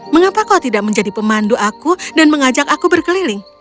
mengapa kau tidak menjadi pemandu aku dan mengajak aku berkeliling